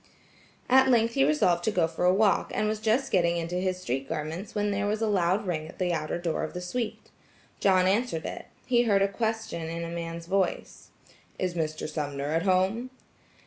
At length he resolved to go for a walk, and was just getting into his street garments when there was a loud ring at the outer door of the suite. John answered it. He herd a question in a man's voice: "Is Mr. Sumner at home?"